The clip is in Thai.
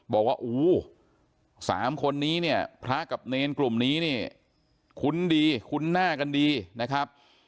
บอกว่าอู้๓คนนี้เนี่ยพระกับเนรกลุ่มนี้เนี่ยคุ้นดีคุ้นหน้ากันดีนะครับ